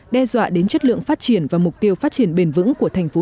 đe dọa đến chất lượng phát triển và mục tiêu phát triển bền vững của thành phố